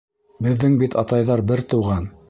Беҙҙең бит атайҙар бер туған.